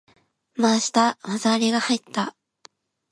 回した！技ありが入った！